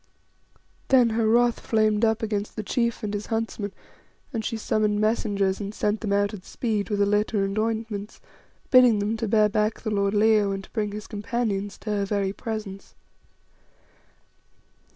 Then her wrath flamed up against the chief and his huntsmen, and she summoned messengers and sent them out at speed with a litter and ointments, bidding them to bear back the lord Leo and to bring his companions to her very presence.